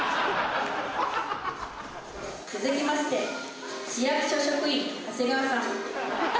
続きまして市役所職員長谷川さん。